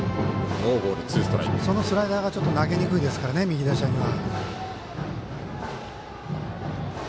そのスライダーが、ちょっと投げにくいですから右打者には。